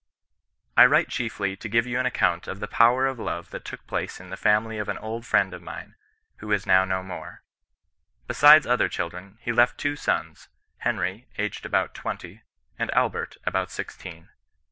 " I write chiefly to give you an account of the power of love that took place in the family of an old friend of mine, who is now no more. Besides other children, he left two sons, Henry, aged about twenty, and Albert about sixteen.